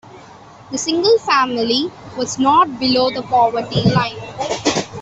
The single family was not below the poverty line.